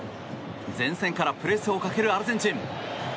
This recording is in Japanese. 前線からプレスをかけるアルゼンチン。